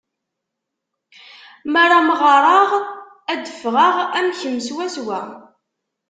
Mi ara mɣareɣ, ad d-ffɣeɣ am kemm swaswa.